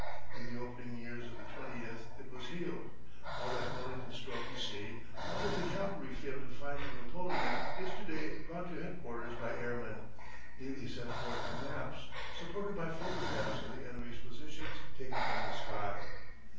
In the opening years of the twentieth it was healed. All that Wellington strove to see, all that the cavalry failed to find for Napoleon is to day brought to headquarters by airmen, neatly set forth in maps, supported by photographs of the enemy's positions taken from the sky.